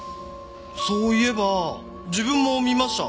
そういえば自分も見ました。